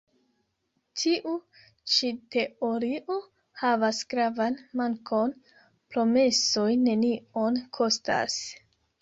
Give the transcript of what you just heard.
Tiu ĉi teorio havas gravan mankon: promesoj nenion kostas.